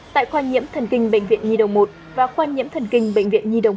tại khoa nhiễm thần kinh bệnh viện nhi đồng một và khoa nhiễm thần kinh bệnh viện nhi đồng một